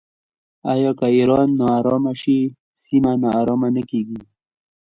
آیا که ایران ناارامه شي سیمه ناارامه نه کیږي؟